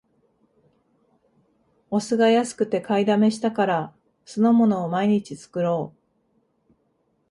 お酢が安くて買いだめしたから、酢の物を毎日作ろう